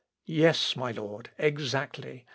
_ "Yes, my lord, exactly.